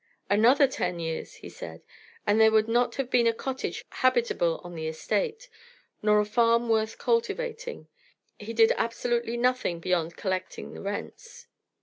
"Another ten years," he said, "and there would not have been a cottage habitable on the estate, nor a farm worth cultivating. He did absolutely nothing beyond collecting the rents.